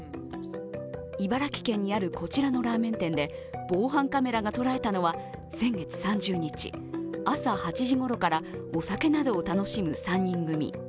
茨城県にあるこちらのラーメン店で防犯カメラが捉えたのは先月３０日、朝８時ごろからお酒などを楽しむ３人組。